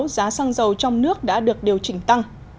giá xăng dầu trong nước đã được điều chỉnh tăng